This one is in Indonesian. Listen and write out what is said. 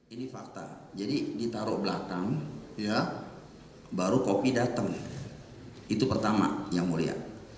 ini fakta jadi ditaruh belakang ya baru kopi datang itu pertama yang mulia